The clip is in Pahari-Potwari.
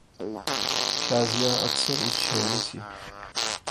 شازیہ اکثر اس چھیڑنی سی